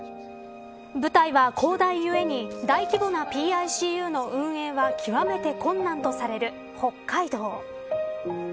舞台は広大ゆえに大規模なＰＩＣＵの運営は極めて困難とされる北海道。